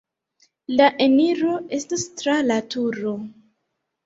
La eniro estas tra la turo.